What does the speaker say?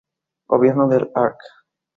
Gobierno del Arq.